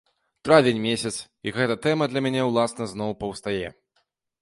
Травень месяц, і гэтая тэма для мяне ўласна зноў паўстае.